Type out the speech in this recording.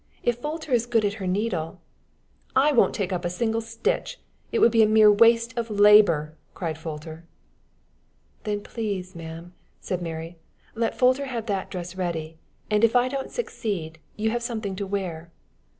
If Folter is good at her needle " "I won't take up a single stitch. It would be mere waste of labor," cried Folter. "Then, please, ma'am," said Mary, "let Folter have that dress ready, and, if I don't succeed, you have something to wear."